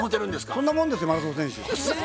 そんなもんですよマラソン選手。